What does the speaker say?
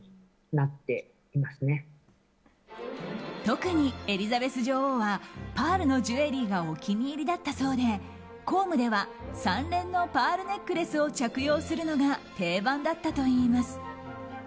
特にエリザベス女王はパールのジュエリーがお気に入りだったそうで公務では３連のパールネックレスを着用するのが定番だったといいます。